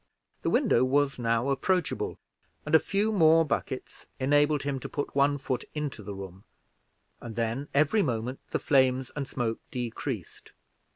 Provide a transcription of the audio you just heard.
The window was now approachable, and a few more buckets enabled him to put one foot into the room, and then every moment the flames and smoke decreased.